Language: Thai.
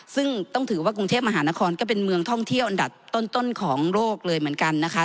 ซึ่งต้องถือว่ากรุงเทพมหานครก็เป็นเมืองท่องเที่ยวอันดับต้นของโลกเลยเหมือนกันนะคะ